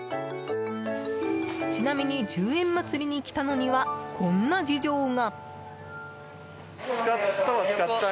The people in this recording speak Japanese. ちなみに１０円まつりに来たのには、こんな事情が。